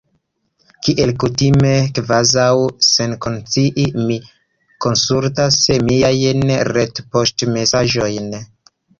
Kiel kutime, kvazaŭ senkonscie, mi konsultas miajn retpoŝtmesaĝojn.